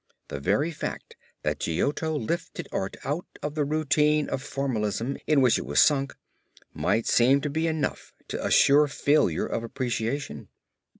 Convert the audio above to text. The very fact that Giotto lifted art out of the routine of formalism in which it was sunk might seem to be enough to assure failure of appreciation.